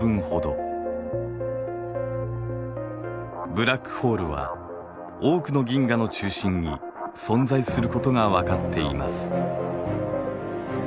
ブラックホールは多くの銀河の中心に存在することがわかっています。